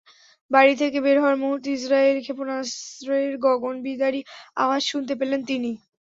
বাড়ি থেকে বের হওয়ার মুহূর্তে ইসরায়েলি ক্ষেপণাস্ত্রের গগনবিদারী আওয়াজ শুনতে পেলেন তিনি।